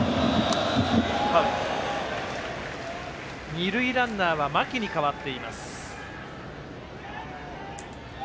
二塁ランナーは牧に代わっています。